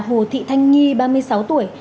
hồ thị thanh nhi ba mươi sáu tuổi